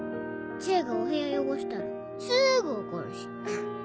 知恵がお部屋汚したらすぐ怒るし。